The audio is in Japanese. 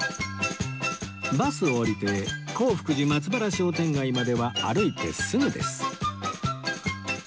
バスを降りて洪福寺松原商店街までは歩いてすぐです